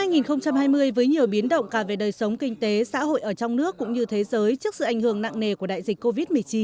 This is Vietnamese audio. năm hai nghìn hai mươi với nhiều biến động cả về đời sống kinh tế xã hội ở trong nước cũng như thế giới trước sự ảnh hưởng nặng nề của đại dịch covid một mươi chín